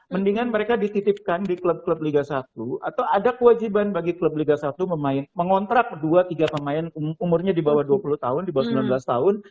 mendingan mereka dititipkan di klub klub liga satu atau ada kewajiban bagi klub liga satu mengontrak dua tiga pemain umurnya di bawah dua puluh tahun di bawah sembilan belas tahun